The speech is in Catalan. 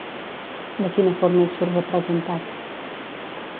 De quina forma hi surt representat?